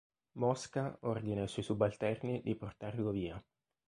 Mosca ordina ai suoi subalterni di portarlo via.